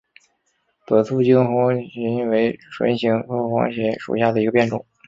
短促京黄芩为唇形科黄芩属下的一个变种。